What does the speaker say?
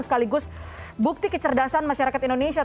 sekaligus bukti kecerdasan masyarakat indonesia